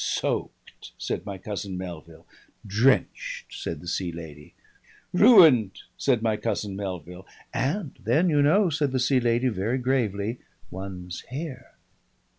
"Soaked!" said my cousin Melville. "Drenched!" said the Sea Lady. "Ruined!" said my cousin Melville. "And then you know," said the Sea Lady very gravely, "one's hair!"